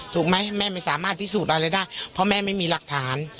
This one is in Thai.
ถูกไหมแม่ไม่สามารถพิสูจน์อะไรได้เพราะแม่ไม่มีหลักฐาน